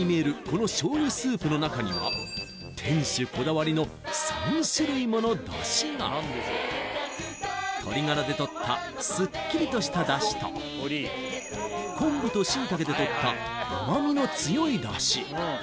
この醤油スープの中には店主こだわりの３種類もの出汁が鶏ガラでとったスッキリとした出汁と昆布と椎茸でとったうまみの強い出汁